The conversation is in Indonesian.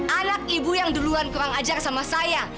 anak ibu yang duluan kurang ajar sama saya